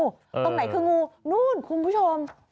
ตรงไหนคืองูนู่นคุณผู้ชม